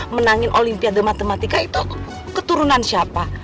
menangin olimpiade matematika itu keturunan siapa